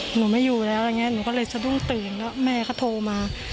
หนูไม่อยู่แล้วอะไรอย่างนี้หนูก็เลยสะดุ้งตื่นแล้วแม่เขาโทรมา